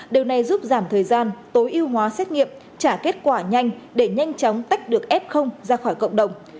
điều này giúp giảm thời gian tối ưu hóa xét nghiệm trả kết quả nhanh để nhanh chóng tách được f ra khỏi cộng đồng